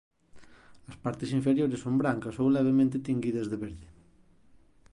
As partes inferiores son brancas ou levemente tinguidas de verde.